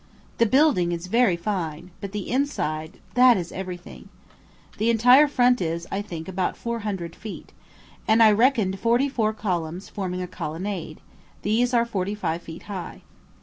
The building is very fine, but the inside that is every thing. The entire front is, I think, about four hundred feet, and I reckoned forty four columns forming a colonnade; these are forty five feet high.